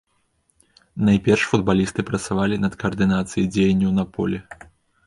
Найперш футбалісты працавалі над каардынацыяй дзеянняў на полі.